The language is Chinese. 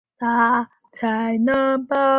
德昌是北齐政权安德王高延宗的年号。